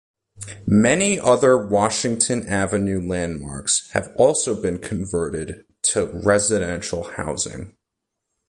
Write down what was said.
Many other Washington Avenue landmarks have also been converted to residential housing.